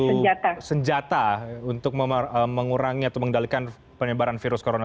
satu senjata untuk mengurangi atau mengendalikan penyebaran virus corona